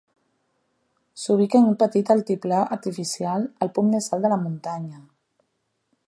S'ubica en un petit altiplà artificial, al punt més alt de la muntanya.